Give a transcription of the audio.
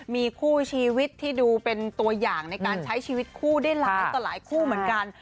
มีคู่ชีวิตที่ดูเป็นตัวอย่างในการใช้ชีวิตคู่ได้หลายต่อหลายคู่เหมือนกัน